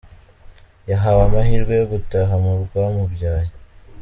Yahawe amahirwe yo gutaha mu rwamubyaye.